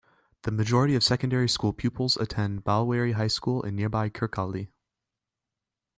The majority of secondary school pupils attend Balwearie High School in nearby Kirkcaldy.